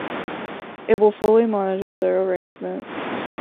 It will fully monitor the arrangement.